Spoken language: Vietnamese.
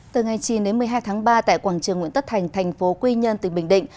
từ ngày chín một mươi hai ba tại quảng trường nguyễn tất thành thành phố quy nhân tỉnh bình định